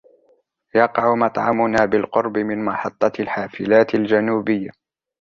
يقع مطعمنا بالقرب من محطة الحافلات الجنوبية.